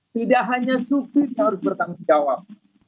tidak hanya subtip yang harus bertanggung jawab